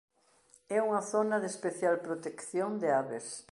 É unha zona de especial protección de aves.